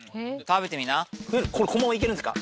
このままいけるんですか。